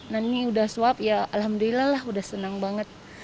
nah ini udah swab ya alhamdulillah lah udah senang banget